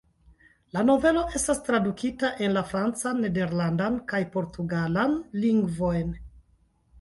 La novelo estas tradukita en la francan, nederlandan kaj portugalan lingvojn.